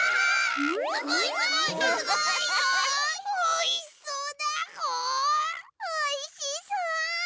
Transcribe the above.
おいしそうだぐ！おいしそ！